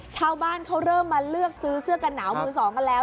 ชาวบ้านเขาเริ่มมาเลือกซื้อเสื้อกันหนาวมือสองกันแล้ว